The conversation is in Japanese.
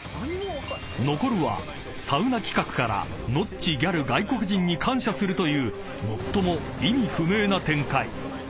［残るはサウナ企画からノッチギャル外国人に感謝するという最も意味不明な展開］